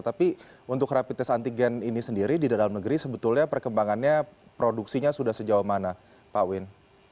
tapi untuk rapid test antigen ini sendiri di dalam negeri sebetulnya perkembangannya produksinya sudah sejauh mana pak win